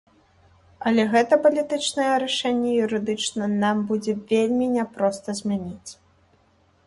Але гэта палітычнае рашэнне юрыдычна нам будзе вельмі няпроста змяніць.